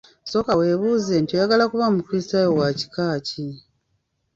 Sooka webuuze nti oyagala kuba mukristayo wa kika ki?